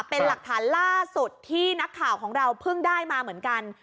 เป็นหลักฐานล่าสุดที่นักข่าวของเราเพิ่งได้มาเหมือนกัน